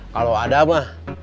kalau ada mah